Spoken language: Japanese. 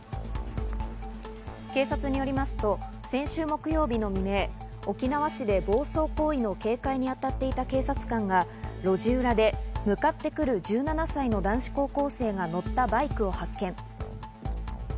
警察によりますと先週木曜日の未明、沖縄市で暴走行為の警戒にあたっていた警察官が路地裏で向かってくる１７歳の男子高校生が乗ったバイクを発見。